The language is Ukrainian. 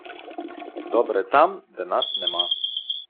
Добре там, де нас нема.